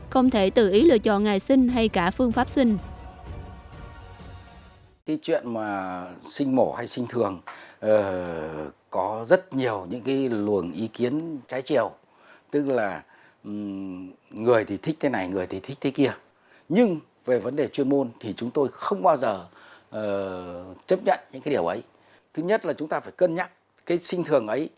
không thể tự ý lựa chọn ngày sinh hay cả phương pháp sinh